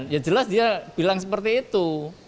ya jelas dia bilang seperti itu